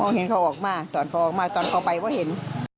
เห็นเขาออกมาตอนเขาออกมาตอนเขาไปก็เห็น